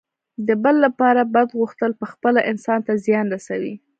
د بل لپاره بد غوښتل پخپله انسان ته زیان رسوي.